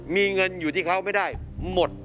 มีเงินอยู่ที่เขาไม่ได้หมด